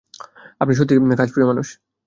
আপনি সত্যিই কাজ প্রিয় মানুষ।